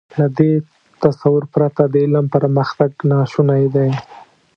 له دې تصور پرته د علم پرمختګ ناشونی دی.